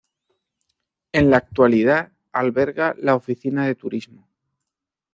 En la actualidad alberga la oficina de turismo.